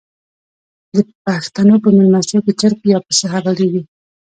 د پښتنو په میلمستیا کې چرګ یا پسه حلاليږي.